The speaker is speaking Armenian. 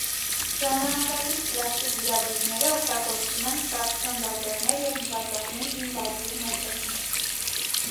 Ժամանակակից պլաստիկ վիրաբույժները օգտագործում են ֆրակցիոն լազերներ և նվազագույն ինվազիվ մեթոդներ։